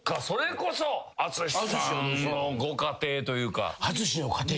それこそ淳さんのご家庭というか。